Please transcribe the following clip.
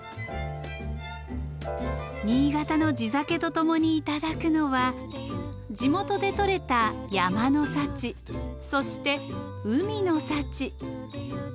新潟の地酒と共に頂くのは地元で採れた山の幸そして海の幸。